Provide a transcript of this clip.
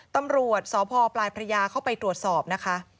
ตำรวจสพปลายพระยาเข้าไปตรวจสอบนะคะ